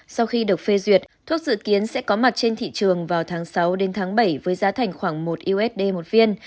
sau khi được phê duyệt thuốc dự kiến sẽ có mặt trên thị trường vào tháng sáu đến tháng bảy với giá thành khoảng một usd một viên